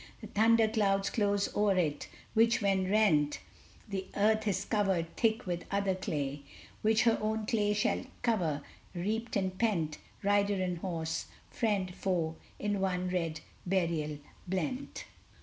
The thunder clouds close o'er it, which when rent, The earth is covered thick with other clay, Which her own clay shall cover, heaped and pent, Rider and horse friend, foe in one red burial blent!